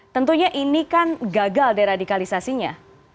tentunya ini kan gagal deh radikalisasinya